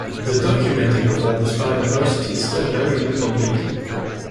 The documenting of all this biodiversity is still very incomplete.